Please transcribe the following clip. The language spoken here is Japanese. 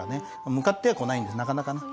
向かっては来ないのでなかなかね。